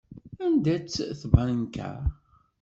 Anda-tt tbanka?